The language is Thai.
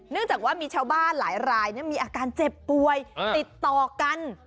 จากว่ามีชาวบ้านหลายรายมีอาการเจ็บป่วยติดต่อกัน